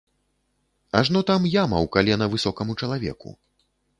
Ажно там яма ў калена высокаму чалавеку.